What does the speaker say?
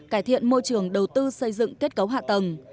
cải thiện môi trường đầu tư xây dựng kết cấu hạ tầng